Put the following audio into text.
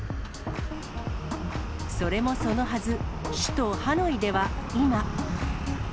それもそのはず、首都ハノイでは、今。